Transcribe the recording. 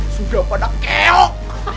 sungguh pada keok